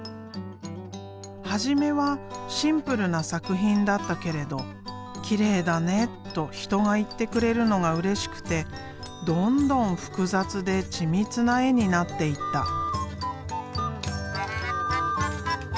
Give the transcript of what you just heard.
初めはシンプルな作品だったけれど「きれいだね」と人が言ってくれるのがうれしくてどんどん複雑で緻密な絵になっていった。